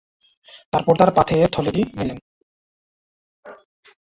তারপর তাঁর পাথেয়ের থলেটি নিলেন।